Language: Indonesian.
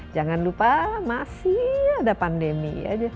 jangan lupa masih ada pandemi aja